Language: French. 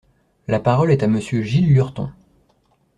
La parole est à Monsieur Gilles Lurton.